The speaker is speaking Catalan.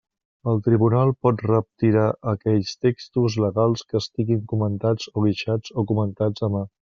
El tribunal pot retirar aquells textos legals que estiguin comentats o guixats o comentats a mà.